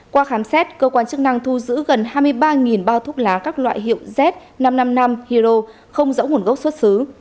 qua khám xét cơ quan chức năng thu giữ gần hai mươi ba bao thuốc lá các loại hiệu z năm trăm năm mươi năm hero không rõ nguồn gốc xuất xứ